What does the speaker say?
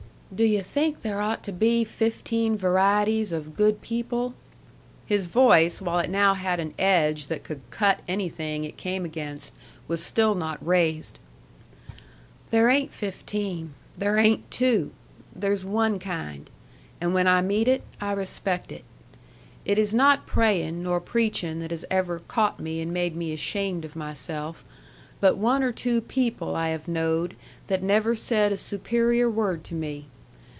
"Do you think there ought to be fifteen varieties of good people?" His voice, while it now had an edge that could cut anything it came against, was still not raised. "There ain't fifteen. There ain't two. There's one kind. And when I meet it, I respect it. It is not praying nor preaching that has ever caught me and made me ashamed of myself, but one or two people I have knowed that never said a superior word to me.